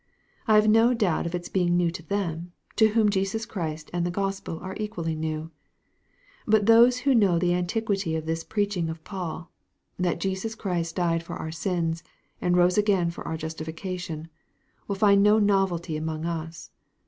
I have no doubt of its being new to them, to whom Jesus Christ and the Gospel are equally new. But those who know the antiquity of this preaching of Paul, "that Jesus Christ died for our sins, and rose again for our justification," will find no novelty among us.